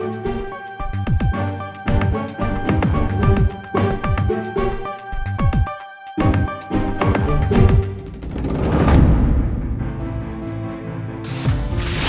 gue mau ke rumah